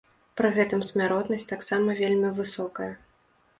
Пры гэтым, смяротнасць таксама вельмі высокая.